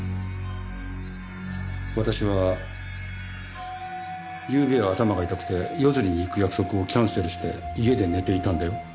私はゆうべは頭が痛くて夜釣りに行く約束をキャンセルして家で寝ていたんだよ。